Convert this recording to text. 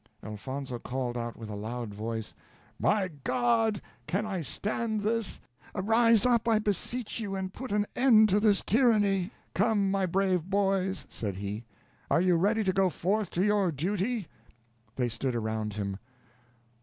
Elfonzo called out with a loud voice, "My God, can I stand this! arise up, I beseech you, and put an end to this tyranny. Come, my brave boys," said he, "are you ready to go forth to your duty?" They stood around him.